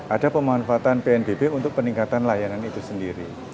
ada pemanfaatan pnbb untuk peningkatan layanan itu sendiri